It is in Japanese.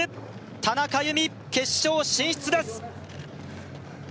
田中佑美決勝進出です